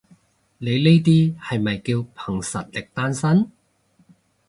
你呢啲係咪叫憑實力單身？